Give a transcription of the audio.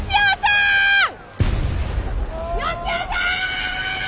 吉雄さん！